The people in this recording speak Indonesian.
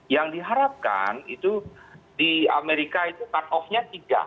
yang diharapkan itu di amerika itu cut off nya tiga